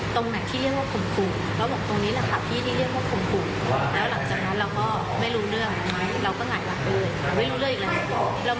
ถามมาที่โรงพยาบาลเพื่อมาลงบรรชึก